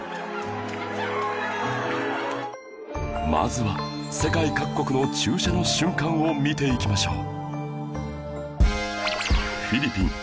まずは世界各国の注射の瞬間を見ていきましょう